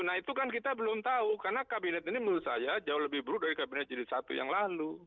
nah itu kan kita belum tahu karena kabinet ini menurut saya jauh lebih buruk dari kabinet jilid satu yang lalu